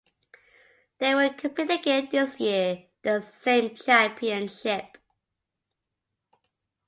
They will compete again this year in that same championship.